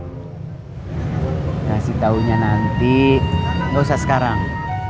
nanti kasih tahunya nanti nggak usah sekarang